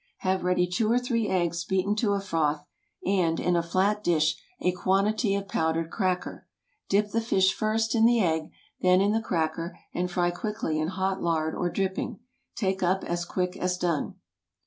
Have ready two or three eggs beaten to a froth, and, in a flat dish, a quantity of powdered cracker. Dip the fish first in the egg, then in the cracker, and fry quickly in hot lard or dripping. Take up as quick as done.